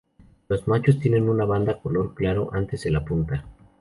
Los machos tienen una banda color claro antes de la punta.